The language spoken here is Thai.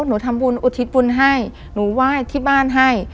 หนูทำบุญอุทิศบุญให้หนูไหว้ที่บ้านให้